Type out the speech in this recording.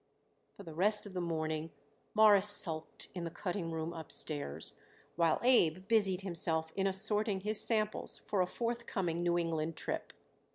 For the rest of the morning Morris sulked in the cutting room upstairs, while Abe busied himself in assorting his samples for a forthcoming New England trip.